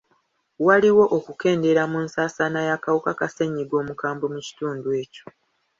Waliwo okukendeera mu nsaasaana y'akawuka ka ssenyiga omukambwe mu kitundu ekyo.